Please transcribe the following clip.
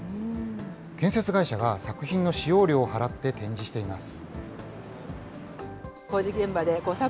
建設会社が作品の使用料を払って展示しています。